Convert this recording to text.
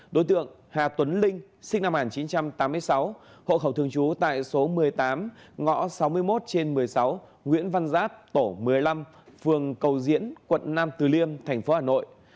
đối tượng hà tuấn linh sinh năm một nghìn chín trăm tám mươi sáu hộ khẩu thường trú tại số một mươi tám ngõ sáu mươi một trên một mươi sáu nguyễn văn giáp tổ một mươi năm phường cầu diễn quận nam từ liêm thành phố hà nội